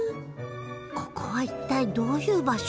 ここは一体どういう場所？